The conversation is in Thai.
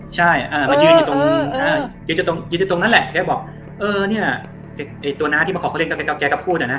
ใช่มายืนอยู่ตรงนั้นแหละแกบอกเออเนี่ยตัวน้าที่ประขอบเข้าเล่นแกก็พูดอะนะ